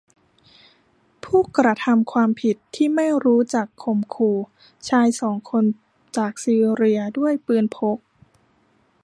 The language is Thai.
ผู้กระทำความผิดที่ไม่รู้จักข่มขู่ชายสองคนจากซีเรียด้วยปืนพก